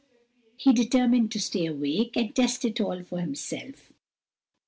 He determined to stay awake and test it all for himself.